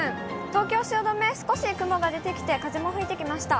東京・汐留、少し雲が出てきて、風も吹いてきました。